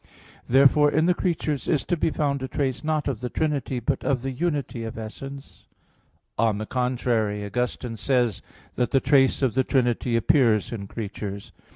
Therefore in the creature is to be found a trace not of the Trinity but of the unity of essence. On the contrary, Augustine says (De Trin. vi, 10), that "the trace of the Trinity appears in creatures."